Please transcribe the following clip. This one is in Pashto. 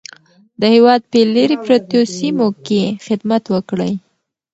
د هېواد په لیرې پرتو سیمو کې خدمت وکړئ.